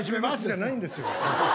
じゃないんですよ。